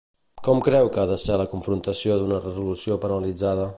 Com creu que ha de ser la confrontació d'una resolució penalitzada?